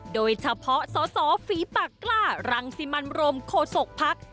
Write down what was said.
โดยเฉพาะสสฝีปากกล้ารังสิมันโรมโคศกภักดิ์